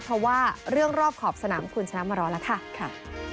เพราะว่าเรื่องรอบขอบสนามคุณชนะมารอแล้วค่ะ